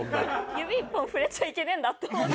指一本触れちゃいけねえんだって思って。